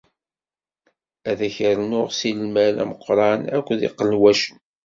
Ad ak-n-rnuɣ si lmal ameqwran akked iqelwacen.